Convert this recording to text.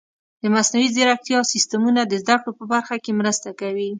د مصنوعي ځیرکتیا سیستمونه د زده کړو په برخه کې مرسته کوي.